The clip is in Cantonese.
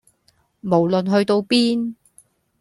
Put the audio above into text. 無論去到邊